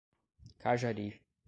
Cajari